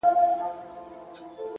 هر منزل د نوي سفر پیل وي,